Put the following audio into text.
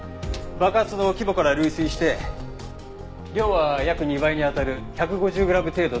爆発の規模から類推して量は約２倍に当たる１５０グラム程度と思われます。